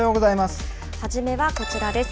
初めはこちらです。